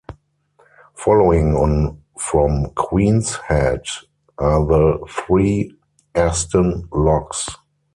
Following on from Queen's Head are the three Aston Locks.